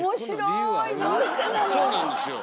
そうなんですよ。